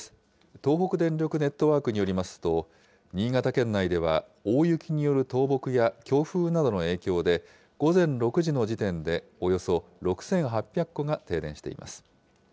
東北電力ネットワークによりますと、新潟県内では大雪による倒木や強風などの影響で、午前６時の時点でおよそ６８００戸が停電しています。